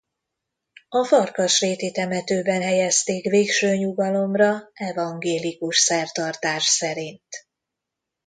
A Farkasréti temetőben helyezték végső nyugalomra evangélikus szertartás szerint.